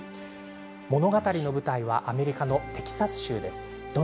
物語の舞台はアメリカのテキサス州です。